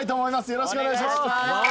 よろしくお願いします。